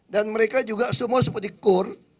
dan mereka juga semua seperti kur